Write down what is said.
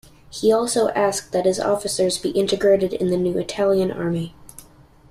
He also asked that his officers be integrated in the new Italian Army.